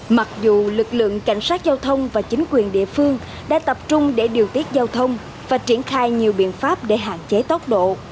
mặc dù lực lượng cảnh sát giao thông và chính quyền địa phương đã tập trung để điều tiết giao thông và triển khai nhiều biện pháp để hạn chế tốc độ